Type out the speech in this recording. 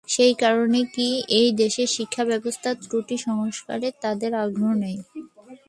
সে কারণেই কি এ দেশের শিক্ষাব্যবস্থার ত্রুটি সংস্কারে তাদের আগ্রহ নেই।